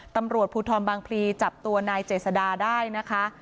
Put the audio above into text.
ตำรวจภูทรบางพลีจับตัวนายเจษดาได้นะคะ